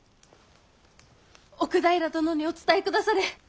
奥平殿にお伝えくだされ。